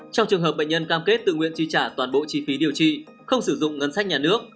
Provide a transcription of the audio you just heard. trong trường hợp bệnh nhân cam kết tự nguyện chi trả toàn bộ chi phí điều trị không sử dụng ngân sách nhà nước